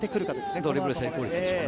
ドリブルの成功率でしょうね。